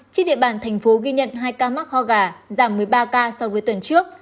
trên địa bàn thành phố ghi nhận hai ca mắc ho gà giảm một mươi ba ca so với tuần trước